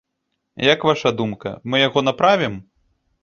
Як ваша думка, мы яго направім?